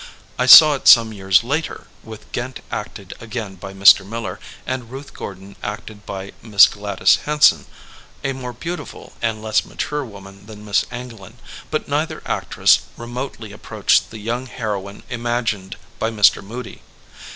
I saw it some years later, with Ghent acted again by Mr. Miller, and Ruth Jordan acted by Miss Gladys Hanson, a more beautiful and less mature woman than Miss Anglin, but neither actress re motely approached the young heroine imagined by Mr. Moody.